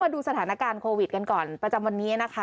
ดูสถานการณ์โควิดกันก่อนประจำวันนี้นะคะ